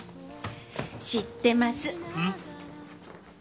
知ってます。